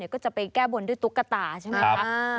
ก็จะไปแก้บนด้วยตุ๊กตาใช่ไหมคะ